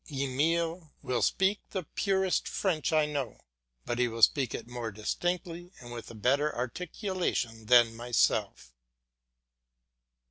Emile will speak the purest French I know, but he will speak it more distinctly and with a better articulation than myself.